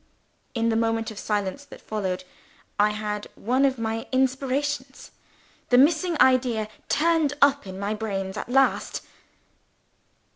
In the moment of silence that followed, I had one of my inspirations. The missing idea turned up in my brains at last.